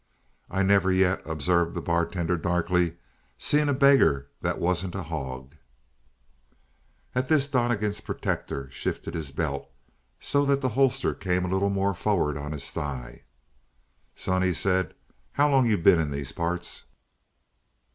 "I never yet," observed the bartender darkly, "seen a beggar that wasn't a hog." At this Donnegan's protector shifted his belt so that the holster came a little more forward on his thigh. "Son," he said, "how long you been in these parts?"